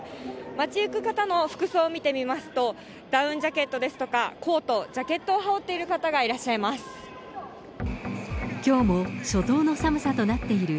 街行く方の服装を見てみますと、ダウンジャケットですとか、コート、ジャケットを羽織っている方がいらっしゃいます。